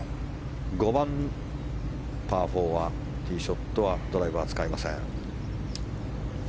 ５番、パー４ティーショットはドライバーを使いません。